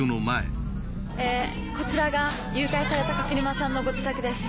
こちらが誘拐された垣沼さんのご自宅です。